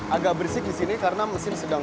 agak berisik di sini karena mesin sedang